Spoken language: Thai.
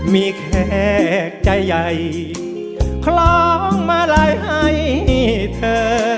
มีแขกใจใหญ่คล้องมาลัยให้เธอ